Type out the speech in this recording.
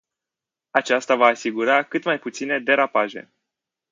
Aceasta va asigura cât mai puține derapaje.